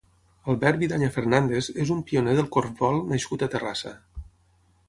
Albert Vidanya Fernández és un pioner del corfbol nascut a Terrassa.